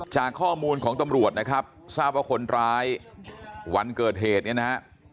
จากข้อมูลของตำรวจนะครับทราบว่าคนร้ายวันเกิดเหตุเนี่ยนะฮะ